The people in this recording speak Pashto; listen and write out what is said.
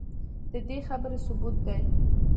ددې خبرې ثبوت دے